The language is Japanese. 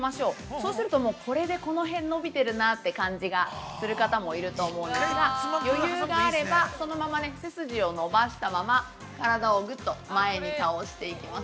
そうすると、もう、これでこの辺伸びてるなという感じがする方もいると思うんですが余裕があれば、そのまま背筋を伸ばしたまま体をぐっと前に倒していきます。